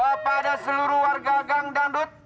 kepada seluruh warga gang dangdut